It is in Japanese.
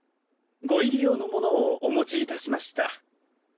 ご入り用のものをお持ちいたしました。